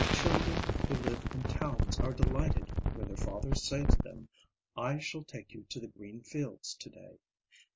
Children who live in towns are delighted when their fathers say to them, "I shall take you to the green fields to day."